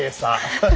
ハハハ。